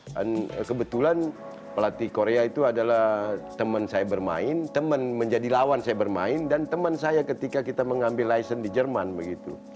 dan kebetulan pelatih korea itu adalah teman saya bermain teman menjadi lawan saya bermain dan teman saya ketika kita mengambil lisen di jerman begitu